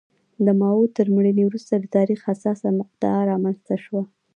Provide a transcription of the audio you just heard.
د ماوو تر مړینې وروسته د تاریخ حساسه مقطعه رامنځته شوه.